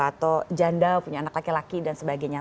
atau janda punya anak laki laki dan sebagainya